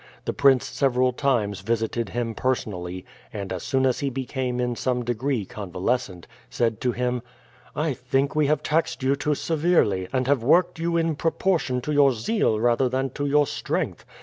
The prince several times visited him personally, and, as soon as he became in some degree convalescent, said to him: "I think we have taxed you too severely, and have worked you in proportion to your zeal rather than to your strength.